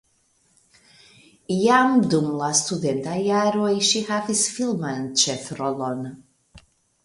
Jam dum la studentaj jaroj ŝi havis filman ĉefrolon.